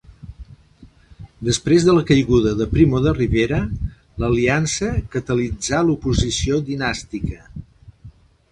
Després de la caiguda de Primo de Rivera, l'Aliança catalitzà l'oposició dinàstica.